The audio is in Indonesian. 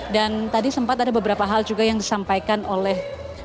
dan tadi sempat ada beberapa hal juga yang disampaikan oleh